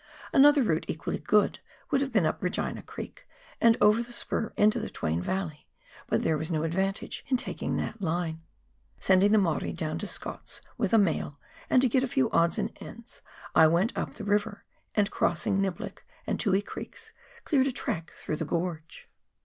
Another route, equally good, would have been up Regina Creek, and over the spur into the Twain Yalley, but there was no advantage in taking that line. Sending the Maori down to Scott's with a mail and to get a few odds and ends, I went up the river and, crossing Niblick and Tui Creeks, cleared a track through the gorge.